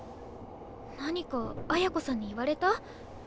何か綾子さんに言われた？